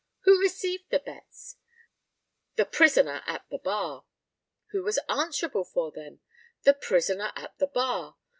Who received the bets? The prisoner at the bar. Who was answerable for them? The prisoner at the bar.